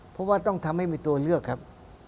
เพราะว่าต้องทำให้มีตัวเลือกครับ